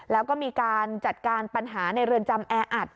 แล้วก็มีการจัดการปัญหาในเรือนจำแออัด